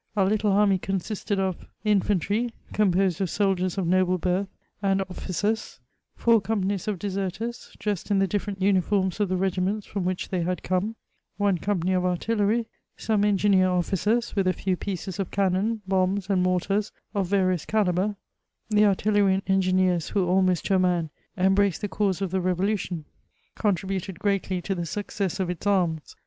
Our little army consisted of — infiemtry, composed of soldiers of noble birth and officers ; four companies of deserters, dressed in the different uniforms of the regiments from which they had come ; one company of artillery ; some engineer officers, with a few pieces of cannon, bombs and mortars of various caKbre (the artillery and engineers, who, almost to a man, embraced the cause of the revolution, contributed greatly to the success of its arms).